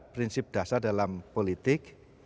prinsip dasar dalam politik